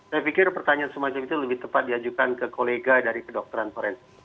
saya pikir pertanyaan semacam itu lebih tepat diajukan ke kolega dari kedokteran forensik